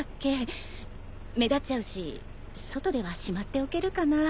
目立っちゃうし外ではしまっておけるかな？